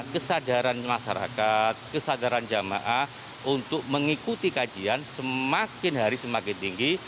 kesadaran masyarakat kesadaran jamaah untuk mengikuti kajian semakin hari semakin tinggi